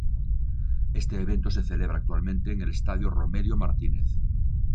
Este evento se celebra actualmente en el estadio Romelio Martínez.